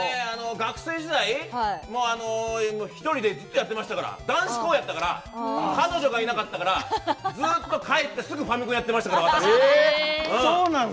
学生時代、１人でずっと、やってましたから男子校やったから彼女がいなかったからずっと帰って、すぐファミコンやってましたから、私。